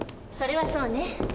それはそうね。